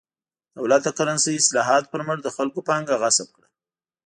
دولت د کرنسۍ اصلاحاتو پر مټ د خلکو پانګه غصب کړه.